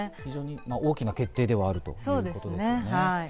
大きな決定ではあるということですね。